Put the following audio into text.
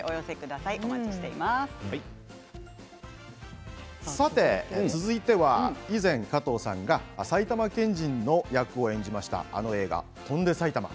さて続いては以前、加藤さんが埼玉県人の役を演じました、あの映画「翔んで埼玉」